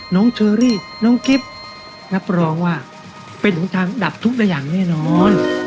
เชอรี่น้องกิฟต์รับรองว่าเป็นหนทางดับทุกข์ได้อย่างแน่นอน